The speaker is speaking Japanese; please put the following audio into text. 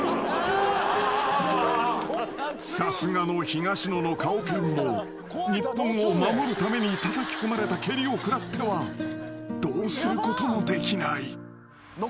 ［さすがの東野の顔犬も日本を守るためにたたき込まれた蹴りを食らってはどうすることもできない］